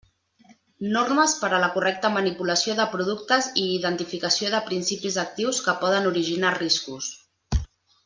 Normes per a la correcta manipulació de productes i identificació de principis actius que poden originar riscos.